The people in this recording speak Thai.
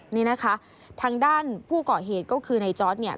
นี่นะคะทางด้านผู้เกาะเหตุก็คือในจอร์ดเนี่ย